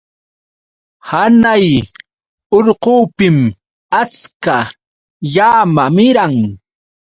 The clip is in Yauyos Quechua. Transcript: Hanay urqupim achka llama miran.